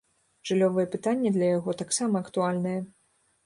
Жыллёвае пытанне для яго таксама актуальнае.